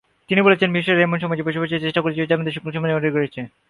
তিনি বলেছেন মিশরীয়রা এমন সমাজে বসবাসের চেষ্টা করেছিল যার মধ্যে সকলের সমান অধিকার রয়েছে।